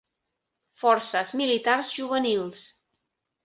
Forces Militars Juvenils